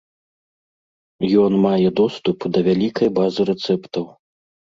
Ён мае доступ да вялікай базы рэцэптаў.